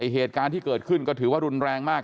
เหตุการณ์ที่เกิดขึ้นก็ถือว่ารุนแรงมาก